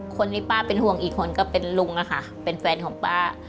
คนที่ป้าเป็นห่วงอีกคนก็เป็นลุงอะค่ะเป็นแฟนของป้า